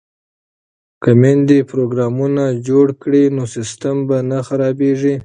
که میندې پروګرامونه جوړ کړي نو سیسټم به نه خرابیږي.